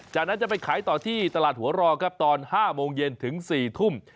จากนั้นจะไปขายต่อที่ตลาดหัวรอครับตอน๕โมงเย็นถึง๔ทุ่ม